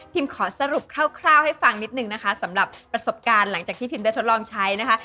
ขอสรุปคร่าวให้ฟังนิดนึงนะคะสำหรับประสบการณ์หลังจากที่พิมได้ทดลองใช้นะคะ